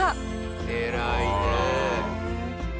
偉いね！